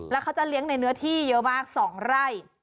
แล้วเขาจะเลี้ยงในเนื้อที่เยอะมาก๒ไร่